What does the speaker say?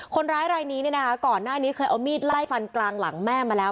คนร้ายรายนี้ก่อนหน้านี้เคยเอามีดไล่ฟันกลางหลังแม่มาแล้ว